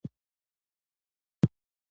د دعا ځواک د بنده امید دی.